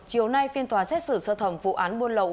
chiều nay phiên tòa xét xử sơ thẩm vụ án buôn lậu